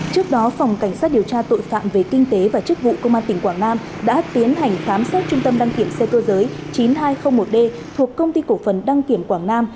trước đó phòng cảnh sát điều tra tội phạm về kinh tế và chức vụ công an tỉnh quảng nam đã tiến hành khám xét trung tâm đăng kiểm xe cơ giới chín nghìn hai trăm linh một d thuộc công ty cổ phần đăng kiểm quảng nam